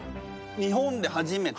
日本で初めて？